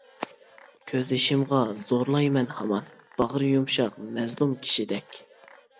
كۆز يېشىمغا زورلايمەن ھامان، باغرى يۇمشاق مەزلۇم كىشىدەك.